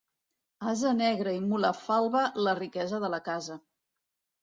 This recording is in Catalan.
Ase negre i mula falba, la riquesa de la casa.